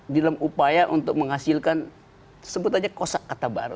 di dalam upaya untuk menghasilkan sebut saja kosak kata baru